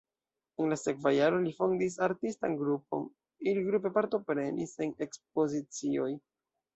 En la sekva jaro li fondis artistan grupon, ili grupe partoprenis en ekspozicioj.